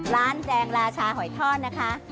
ร้านแดงราชาหอยทอดนะคะ